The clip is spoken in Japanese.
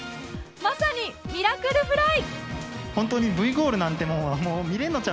まさに「ミラクル★フライ」！